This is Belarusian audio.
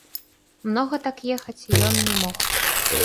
Многа так ехаць ён не мог.